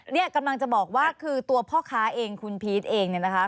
เนี่ยกำลังจะบอกว่าคือตัวพ่อค้าเองคุณพีชเองเนี่ยนะคะ